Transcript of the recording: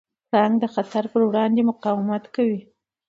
پړانګ د خطر پر وړاندې مقاومت کوي.